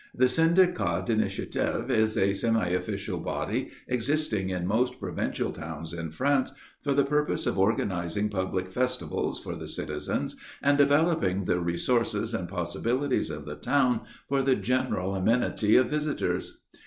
The Syndicat d'Initiative is a semi official body existing in most provincial towns in France for the purpose of organising public festivals for the citizens and developing the resources and possibilities of the town for the general amenity of visitors.